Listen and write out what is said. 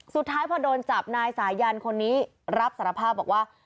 สุดท้ายพอโดนจับนายสายันคนนี้รับสารภาพบอกว่า